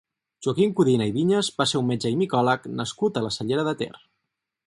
Joaquim Codina i Vinyes va ser un metge i micòleg nascut a la Cellera de Ter.